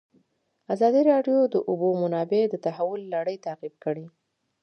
ازادي راډیو د د اوبو منابع د تحول لړۍ تعقیب کړې.